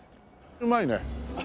うまいね。